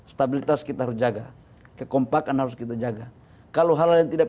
stabilitas kita harus jaga kekompakan harus kita jaga kalau hal lain tidak berhasil